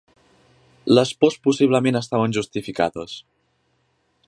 Les pors possiblement estaven justificades.